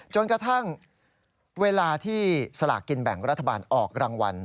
จนกระทั่งเวลาที่สลากกินแบ่งรัฐบาลออกรางวัล